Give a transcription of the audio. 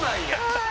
はい。